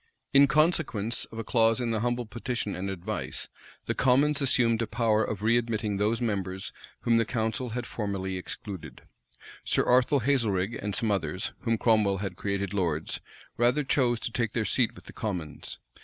In consequence of a clause in the humble petition and advice the commons assumed a power of readmitting those members whom the council had formerly excluded. Sir Arthur Hazelrig and some others, whom Cromwell had created lords, rather chose to take their seat with the commons.